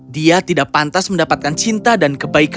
dia tidak pantas mendapatkan cinta dan kebaikan